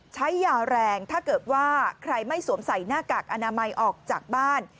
ใช้ยาแรงถ้าเกิดว่าใครไม่สวมใส่หน้ากากอนามัยออกจากบ้าน